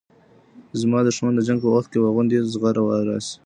زما دښمن د جنګ په وخت واغوندي زغره راسي